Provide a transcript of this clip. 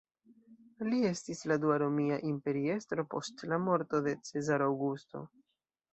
Li estis la dua romia imperiestro post la morto de Cezaro Aŭgusto.